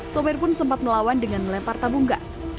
sopir pun sempat melawan dengan melempar tabung gas